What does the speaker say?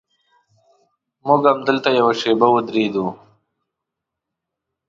موږ همدلته یوه شېبه ودرېدو.